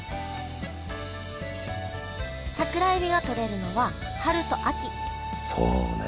桜えびがとれるのは春と秋そうね